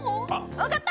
分かった！